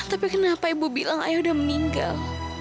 tapi kenapa ibu bilang ayo udah meninggal